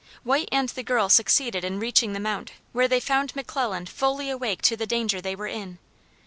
White and the girl succeeded in reaching the Mount where they found McClelland fully awake to the danger they were in.